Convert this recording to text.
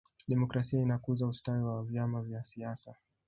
demokrasia inakuza ustawi wa vyama vya siasa